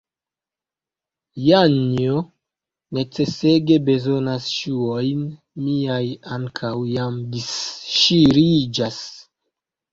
Janjo necesege bezonas ŝuojn, miaj ankaŭ jam disŝiriĝas.